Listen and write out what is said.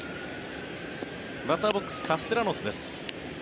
バッターボックスカステラノスです。